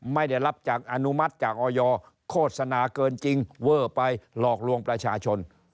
ไม่ได้รับอันทธิ์จากอยโฆษณาเกินจริงเวิ่ร์ไปหลอกลวงประชาชน